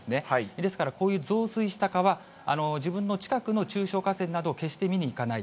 ですから、こういう増水した川、自分の近くの中小河川など、決して見に行かない。